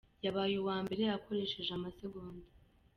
yabaye uwa mbere akoresheje amasegonda